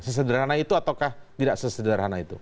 sesederhana itu ataukah tidak sesederhana itu